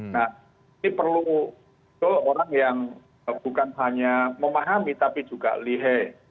nah ini perlu orang yang bukan hanya memahami tapi juga lihe